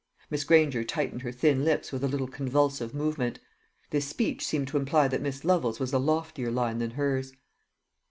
Miss Granger tightened her thin lips with a little convulsive movement. This speech seemed to imply that Miss Lovel's was a loftier line than hers.